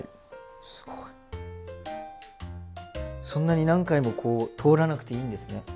そんなに何回もこう通らなくていいんですね。